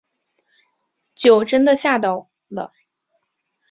就真的吓到了